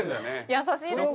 優しいですよね。